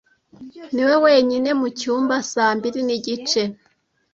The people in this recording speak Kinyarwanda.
niwe wenyine mucyumba saa mbiri nigice.